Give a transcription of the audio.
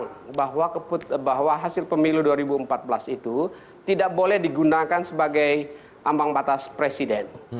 karena sekarang bahwa hasil pemilu dua ribu empat belas itu tidak boleh digunakan sebagai ambang batas presiden